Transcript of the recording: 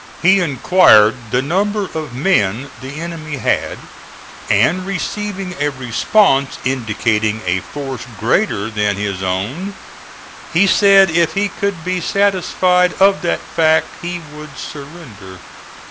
He inquired the number of men the enemy had, and receiving a response indicating a force greater than his own he said if he could be satisfied of that fact he would surrender.